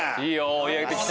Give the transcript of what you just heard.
追い上げてきた！